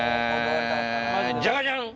ジャカジャン！